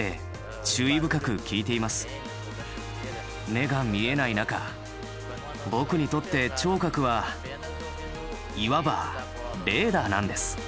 目が見えない中僕にとって聴覚はいわばレーダーなんです。